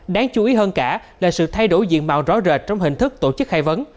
đáng chú ý hơn cả là sự thay đổi diện mạo rõ rệt trong hình thức tổ chức khai vấn